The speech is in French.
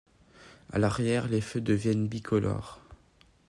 A l'arrière, les feux deviennent bicolores.